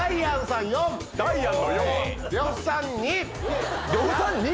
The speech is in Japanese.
⁉呂布さん２⁉